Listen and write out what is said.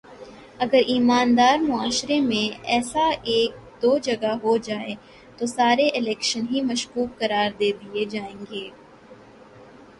اگر ایماندار معاشرے میں ایسا ایک دو جگہ ہو جائے تو سارے الیکشن ہی مشکوک قرار دے دیئے جائیں گے